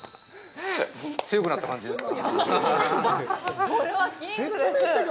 強くなった感じですか？